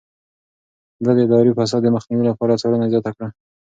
ده د اداري فساد د مخنيوي لپاره څارنه زياته کړه.